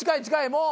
もう。